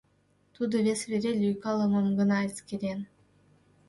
Тудо вес вере лӱйкалымым гына эскерен.